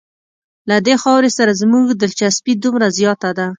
له دې خاورې سره زموږ دلچسپي دومره زیاته ده.